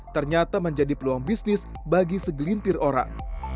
ternyata menjadi peluang bisnis bagi segelintir orang